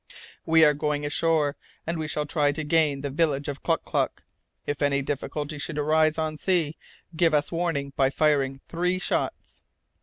"We are going ashore, and we shall try to gain the village of Klock Klock. If any difficulty should arise on sea, give us warning by firing three shots."